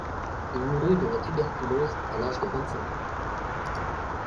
Il mourut de la tuberculose à l'âge de vingt-cinq ans.